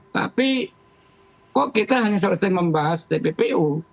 tapi kok kita hanya selesai membahas tppu